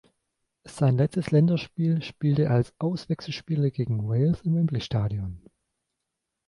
Sein letztes Länderspiel spielte er als Auswechselspieler gegen Wales im Wembley-Stadion.